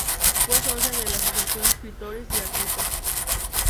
Fue socia de la Asociación de Escritores y Artistas.